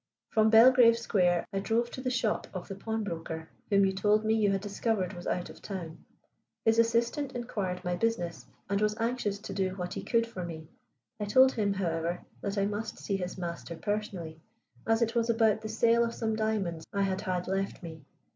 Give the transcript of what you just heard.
From Belgrave Square I drove to the shop of the pawn broker whom you told me you had discovered was out of town. His assistant inquired my business, and was anxious to do what he could for me. I told him, however, that I must see his master personally, as it was about the sale of some diamonds I had had left me.